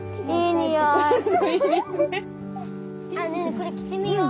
これ着てみよう。